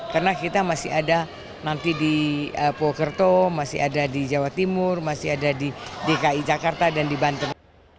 karena kita masih ada nanti di pokerto masih ada di jawa timur masih ada di dki jakarta dan di banten